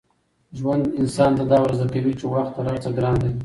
ژوند انسان ته دا ور زده کوي چي وخت تر هر څه ګران دی.